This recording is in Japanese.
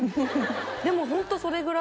でもホントそれぐらい。